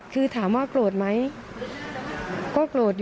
คุณพ่อครับสารงานต่อของคุณพ่อครับสารงานต่อของคุณพ่อครับ